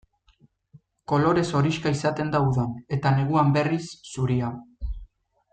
Kolorez horixka izaten da udan, eta neguan, berriz, zuria.